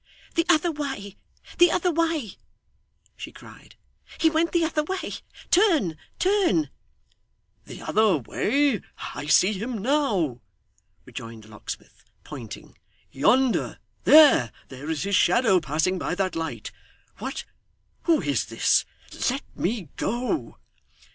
'The other way the other way,' she cried. 'He went the other way. Turn turn!' 'The other way! I see him now,' rejoined the locksmith, pointing 'yonder there there is his shadow passing by that light. What who is this? Let me go.